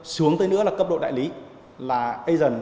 xuống tới nữa là cấp độ đại lý là asian